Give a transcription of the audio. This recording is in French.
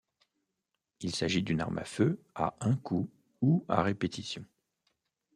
Il s'agit d'une arme à feu à un coup ou à répétition.